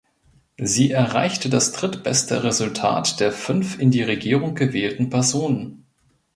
Sie erreichte das drittbeste Resultat der fünf in die Regierung gewählten Personen.